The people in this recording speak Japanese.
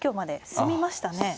進みましたね。